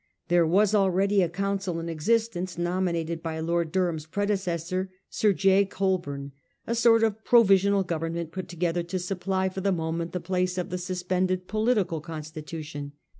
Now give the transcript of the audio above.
There was already a council in existence nominated by Lord Durham's predecessor, Sir J. Col borne ; a sort of provisional government put together to supply for the moment the place of the suspended political constitution.